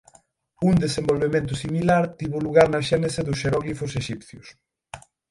Un desenvolvemento similar tivo lugar na xénese dos xeróglifos exipcios.